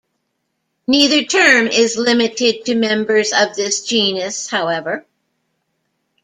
Neither term is limited to members of this genus, however.